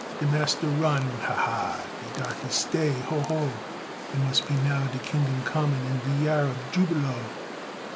De massa run, ha, ha! De darkey stay, ho, ho! It mus' be now de kingdum comin', An' de yar ob jubilo.